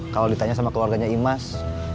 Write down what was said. kalau ditanya sama keluarganya imas